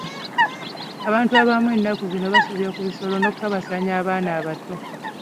Abantu abamu ennaku zino basobya ku bisolo n'okukabasanya abaana abato.